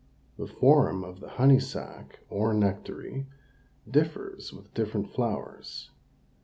The form of the honey sac, or nectary, differs with different flowers.